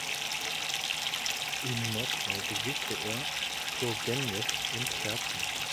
In Moskau besuchte er Turgenjew und Herzen.